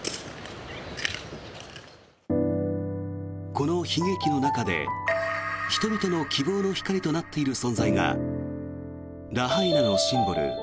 この悲劇の中で人々の希望の光となっている存在がラハイナのシンボル